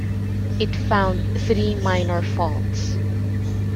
It found three minor faults.